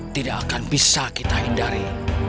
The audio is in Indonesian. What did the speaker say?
tidak akan bisa kita hindari